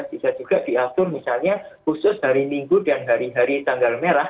bisa juga diatur misalnya khusus hari minggu dan hari hari tanggal merah